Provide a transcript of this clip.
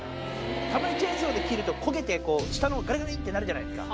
たまにチェーンソーで切ると、焦げてこう、下のほう、がりがりってなるじゃないですか。